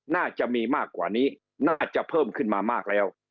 น่าจะมีมากกว่านี้น่าจะเพิ่มขึ้นมามากแล้ว